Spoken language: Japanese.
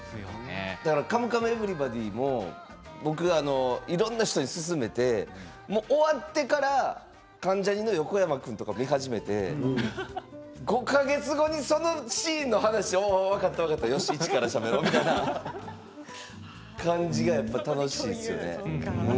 「カムカムエヴリバディ」も僕がいろんな人に勧めて終わってから関ジャニの横山君とかが見始めて５か月後にそのシーンの話を分かった、分かったよし一からしゃべろみたいな感じがやっぱり楽しいですよね。